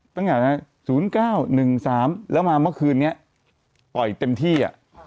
ตั้งแต่๐๙๑๓แล้วมาเมื่อคืนนี้ปล่อยเต็มที่